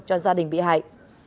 cho gia đình bị hại